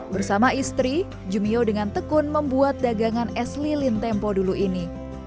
bersama istri jumio dengan tekun membuat dagangan es lilin tempo dulu ini